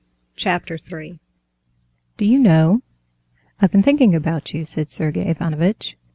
Chapter 3 "Do you know, I've been thinking about you," said Sergey Ivanovitch.